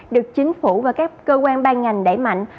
được chính phủ và các cơ quan ban ngành đẩy mạnh